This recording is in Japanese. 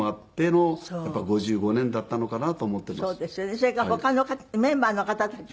それから他のメンバーの方たちもね